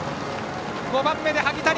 ５番目で萩谷。